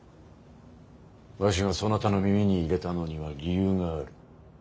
わしがそなたの耳に入れたのには理由がある。